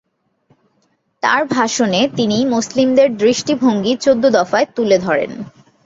তার ভাষণে তিনি মুসলিমদের দৃষ্টিভঙ্গি চৌদ্দ দফায় তুলে ধরেন।